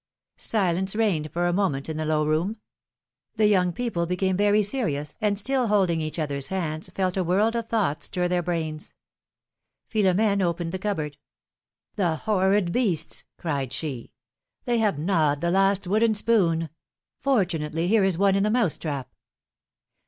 Silence reigned for a moment in the' low room. The young people became very serious, and still holding each other's hands, felt a world of thoughts stir their brains. Philom^ne opened the cupboard. philom^ine's marriages. 73 The horrid beasts ! cried she. They have gnawed the last wooden spoon ! Fortunately, here is one in the inouse trap.